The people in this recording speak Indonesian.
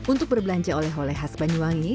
untuk berbelanja oleh oleh khas banyuwangi